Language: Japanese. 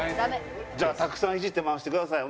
じゃあたくさんイジって回してください。